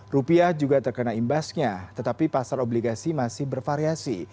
rupiah juga terkena imbasnya tetapi pasar obligasi masih bervariasi